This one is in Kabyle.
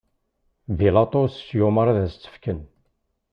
Bilaṭus yumeṛ ad s-tt-fken.